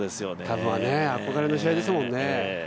憧れの試合ですもんね。